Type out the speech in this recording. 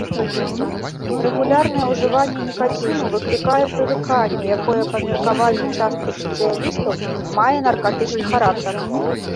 Рэгулярнае ўжыванне нікаціну выклікае прывыканне, якое па меркаванні часткі спецыялістаў, мае наркатычны характар.